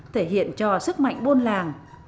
thể hiện cho sức mạnh bôn làng